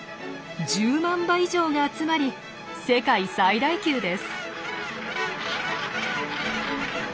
１０万羽以上が集まり世界最大級です。